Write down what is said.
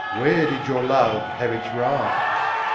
Where did your love have its rise?"